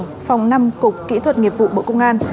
phòng năm cục kỹ thuật nghiệp vụ bộ công an